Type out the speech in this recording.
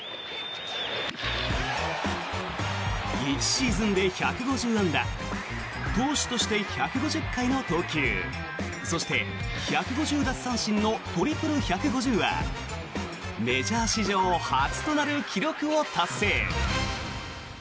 １シーズンで１５０安打投手として１５０回の投球そして１５０奪三振のトリプル１５０はメジャー史上初となる記録を達成。